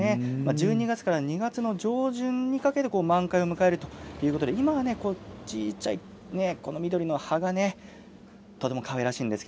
１２月から２月の上旬にかけて満開を迎えるということで今は小さい緑の葉がとてもかわいらしいです。